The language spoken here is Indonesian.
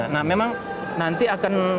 nah memang nanti akan